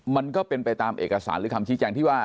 มันก็เป็นไปตามเอกสารหรือคำชี้แจงที่ว่า